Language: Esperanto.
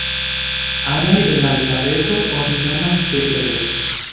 Anojn de la alfabeto oni nomas literoj.